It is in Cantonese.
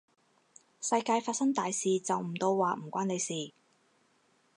世界發生大事，就唔到話唔關你事